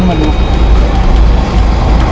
สวัสดีครับทุกคน